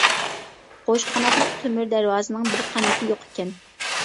قوش قاناتلىق تۆمۈر دەرۋازىنىڭ بىر قانىتى يوق ئىكەن.